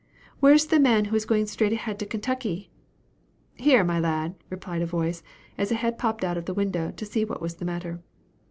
"Where is the man who is going straight ahead to Kentucky?" "Here, my lad," replied a voice, as a head popped out of the window, to see what was the matter.